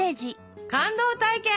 「感動体験」。